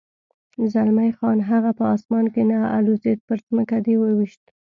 زلمی خان: هغه په اسمان کې نه الوزېد، پر ځمکه دې و وېشت.